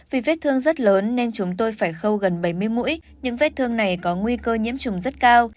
vì vết thương rất lớn nên chúng tôi phải khâu gần bảy mươi mũi những vết thương này có nguy cơ nhiễm trùng rất cao